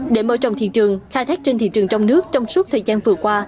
để mở trồng thị trường khai thác trên thị trường trong nước trong suốt thời gian vừa qua